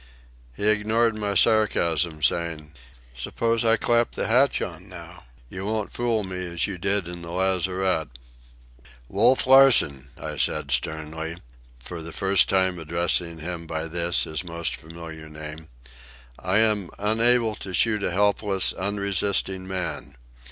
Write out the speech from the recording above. He ignored my sarcasm, saying, "Suppose I clap the hatch on, now? You won't fool me as you did in the lazarette." "Wolf Larsen," I said sternly, for the first time addressing him by this his most familiar name, "I am unable to shoot a helpless, unresisting man.